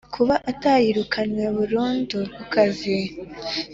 kuba atarirukanwe burundu ku kazi